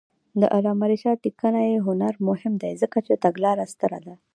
د علامه رشاد لیکنی هنر مهم دی ځکه چې تګلاره ستره ده.